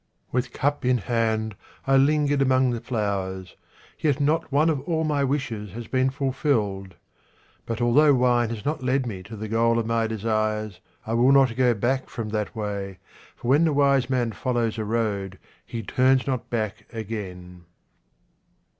With cup in hand I lingered among the flowers, and yet not one of all my wishes has been fulfilled. But although wine has not led me to the goal of my desires, I will not go from that way, for when the wise man follows a road he turns not back again.